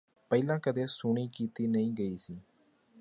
ਪਹਿਲਾਂ ਕਦੇ ਸੁਣੀ ਕੀਤੀ ਨਹੀਂ ਗਈ ਸੀ